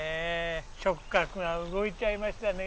触角が動いちゃいましたね。